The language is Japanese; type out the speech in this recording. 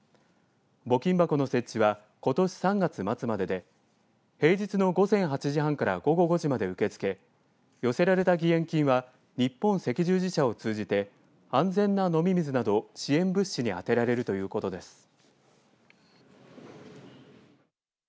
募金箱の設置はことし３月末までで平日の午前８時半から午後５時まで受け付け寄せられた義援金は日本赤十字社を通じて安全な飲み水など支援物資にあてられるということです。